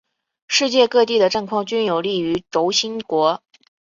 世界各地的战况均有利于轴心国。